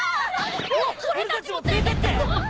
お俺たちも連れてって。